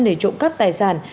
để trộm cắp tài sản